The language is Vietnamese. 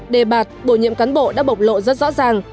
đề bạt bổ nhiệm cán bộ đã bộc lộ rất rõ ràng